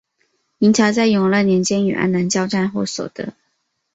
明朝在永乐年间与安南交战后所得。